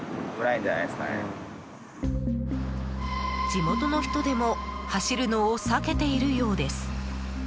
地元の人でも走るのを避けているようです。